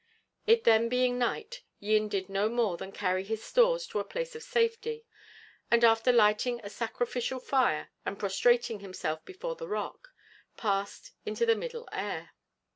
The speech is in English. It then being night, Yin did no more than carry his stores to a place of safety, and after lighting a sacrificial fire and prostrating himself before the rock, passed into the Middle Air.